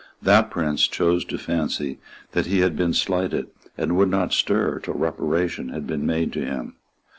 That prince chose to fancy that he had been slighted, and would not stir till reparation had been made to him.